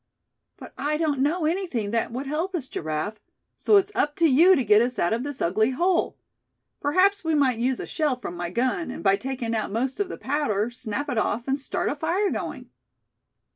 "But I don't know anything that would help us, Giraffe; so it's up to you to get us out of this ugly hole. Perhaps we might use a shell from my gun, and by taking out most of the powder, snap it off, and start a fire going."